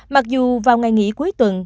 mặc dù vào ngày nghỉ cuối tuần